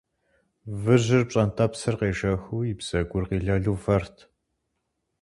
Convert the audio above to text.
Выжьыр, пщӀэнтӀэпсыр къежэхыу, и бзэгур къилэлу вэрт.